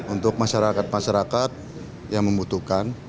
untuk masyarakat masyarakat yang membutuhkan